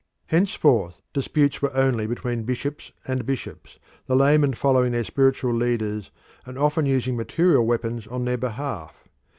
Henceforth disputes were only between bishops and bishops, the laymen following their spiritual leaders and often using material weapons on their behalf.